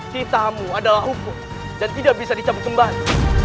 kitamu adalah hukum dan tidak bisa dicabut kembali